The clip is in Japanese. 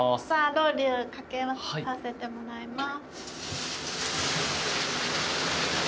ロウリュかけさせてもらいます。